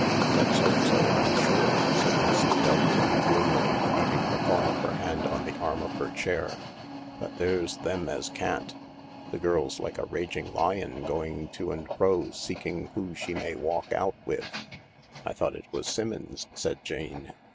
" Let's hope so, I'm sure," said Mrs. Doveton gloomily, beating the palm of her hand on the arm of her chair ;" but there's them as can't. The girl's like a raging lion going to and fro seeking who she may walk out with." " I thought it was Simmons," said Jane.